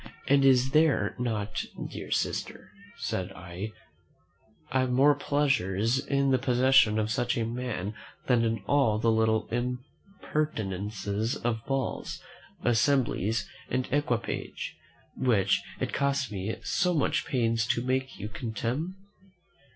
"And is there not, dear sister," said I, "more pleasure in the possession of such a man than in all the little impertinences of balls, assemblies, and equipage, which it cost me so much pains to make you contemn?"